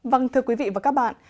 vâng thưa quý vị và các bạn